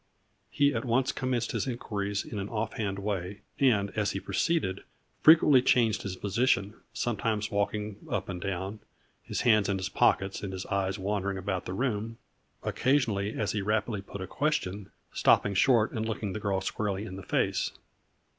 64 A FLURRY IN DIAMONDS. He at once commenced his inquiries in an off hand way, and, as he proceeded, frequently changed his position, sometimes walking up and down, his hands in his pockets and his eyes wandering about the room, occasionally, as he rapidly put a question, stopping short and look ing the girl squarely in the face.